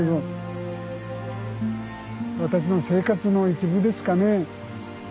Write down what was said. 私の生活の一部ですかね。